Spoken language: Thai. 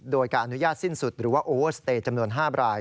โดยการอนุญาตสิ้นสุดหรือว่าโอสเตย์จำนวน๕ราย